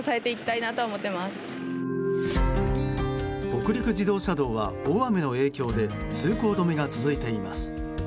北陸自動車道は、大雨の影響で通行止めが続いています。